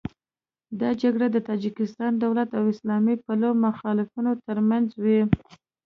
دا جګړې د تاجکستان دولت او اسلام پلوه مخالفینو تر منځ وې.